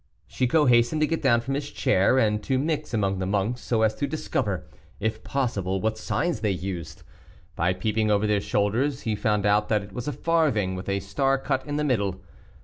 Chicot hastened to get down from his chair, and to mix among the monks so as to discover, if possible, what signs they used. By peeping over their shoulders, he found out that it was a farthing, with a star cut in the middle.